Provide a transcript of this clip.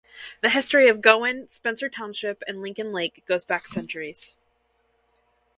The History of Gowen, Spencer Township and Lincoln Lake goes back centuries.